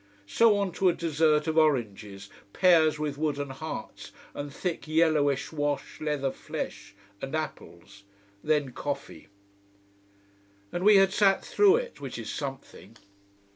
So on to a dessert of oranges, pears with wooden hearts and thick yellowish wash leather flesh, and apples. Then coffee. And we had sat through it, which is something.